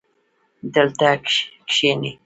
دلته کښېنئ